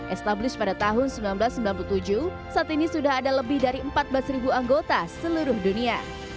establis pada tahun seribu sembilan ratus sembilan puluh tujuh saat ini sudah ada lebih dari empat belas anggota seluruh dunia